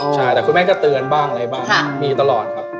ใช่แต่คุณแม่ก็เตือนบ้างอะไรบ้างมีตลอดครับ